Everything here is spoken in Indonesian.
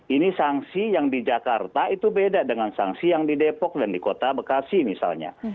ini sanksi yang di jakarta itu beda dengan sanksi yang di depok dan di kota bekasi misalnya